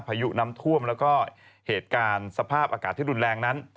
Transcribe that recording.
พายุน้ำท่วมแล้วก็เหตุการณ์สภาพอากาศที่รุนแรงนั้น